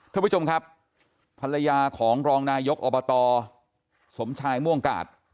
ท่านผู้ชมครับภรรยาของรองนายกอบตสมชายม่วงกาศ